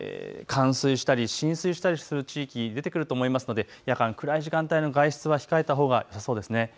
冠水したり浸水したりする地域が出てくると思いますので夜間、暗い時間帯の外出は控えたほうがよさそうです。